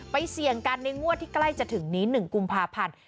เสี่ยงกันในงวดที่ใกล้จะถึงนี้๑กุมภาพันธ์